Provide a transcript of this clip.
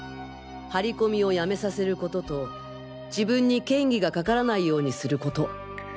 張り込みをやめさせることと自分に嫌疑がかからないようにすること。